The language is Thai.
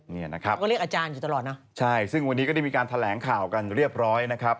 นี่นะครับเขาก็เรียกอาจารย์อยู่ตลอดนะใช่ซึ่งวันนี้ก็ได้มีการแถลงข่าวกันเรียบร้อยนะครับ